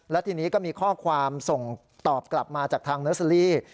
และทีนี้ก็มีข้อความส่งตอบกลับมาจากทางเนอร์เซอรี่